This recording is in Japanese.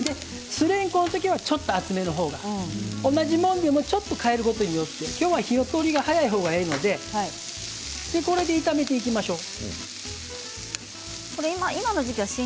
酢れんこんはちょっと厚めの方が同じものでもちょっと変えることによって今日は火の通りが早い方がええのでこれで炒めていきましょう。